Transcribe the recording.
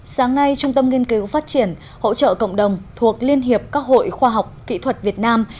sáng nay trung tâm nghiên cứu phát triển hỗ trợ cộng đồng thuộc liên hiệp các hội khoa học kỹ thuật việt nam